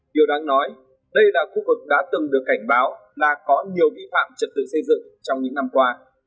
điều đáng nói đây là khu vực đã từng được cảnh báo là có nhiều vi phạm trật tự xây dựng trong những năm qua